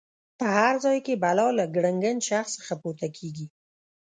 په هر ځای کې بلا له ګړنګن شخص څخه پورته کېږي.